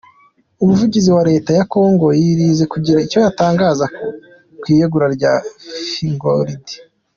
Umuvugizi wa Leta ya Congo, yirinze kugira icyo atangaza ku iyegura rya Feingold.